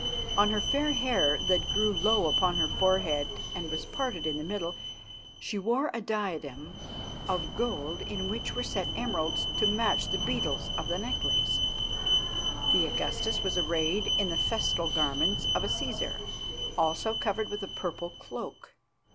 On her fair hair that grew low upon her forehead and was parted in the middle, she wore a diadem of gold in which were set emeralds to match the beetles of the necklace. The Augustus was arrayed in the festal garments of a Cæsar, also covered with a purple cloak.